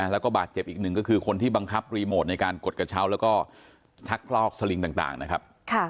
แล้วก็บาดเจ็บอีกหนึ่งก็คือคนที่บังคับรีโมทในการกดกระเช้าแล้วก็ชักลอกสลิงต่างนะครับ